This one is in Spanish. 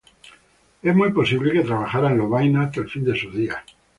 Es muy posible que trabajara en Lovaina hasta el fin de sus días.